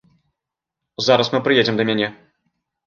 Зараз мы прыедзем да мяне.